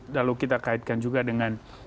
lalu kita kaitkan juga dengan